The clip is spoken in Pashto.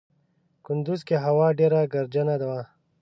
کندوز کې هوا ډېره ګردجنه وه.